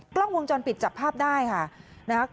กล้องวงจรปิดจับภาพได้ค่ะนะคะ